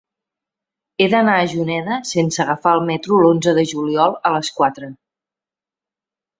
He d'anar a Juneda sense agafar el metro l'onze de juliol a les quatre.